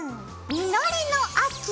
実りの秋！